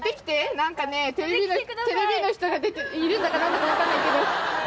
何かねテレビの人がいるんだか何だか分かんないけど。